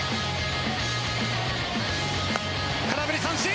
空振り三振！